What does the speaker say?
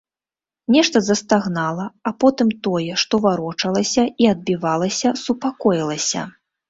Нешта застагнала, а потым тое, што варочалася і адбівалася, супакоілася.